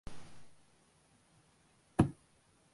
அது இயலாத காரியம் எனப் பதில் அளித்தார் அம்ரு.